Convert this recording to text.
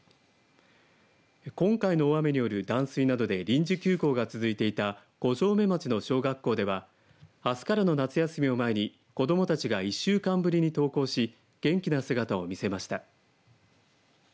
今回の大雨による断水などで臨時休校が続いていた五城目町の小学校ではあすからの夏休みを前に子どもたちが１週間ぶりに登校し元気な姿を見せました。